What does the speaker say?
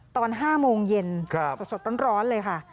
ตอน๕โมงเย็นสดร้อนเลยค่ะ